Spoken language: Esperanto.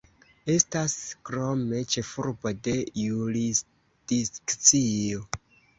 Estas krome ĉefurbo de jurisdikcio.